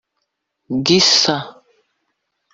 Gisa